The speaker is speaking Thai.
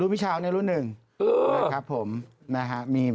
รุ่นพี่เช้าเนี่ยรุ่น๑นะครับผมมีประเทศด้านด้วย